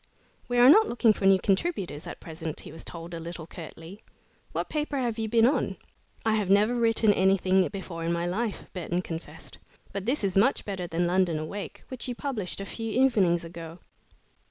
"We are not looking for new contributors at present," he was told a little curtly. "What paper have you been on?" "I have never written anything before in my life," Burton confessed, "but this is much better than 'London Awake,' which you published a few evenings ago."